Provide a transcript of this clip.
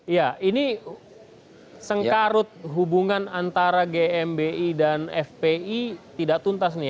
ya ini sengkarut hubungan antara gmi dan fpi tidak tuntas nih